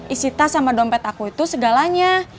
isi tas sama dompet aku itu segalanya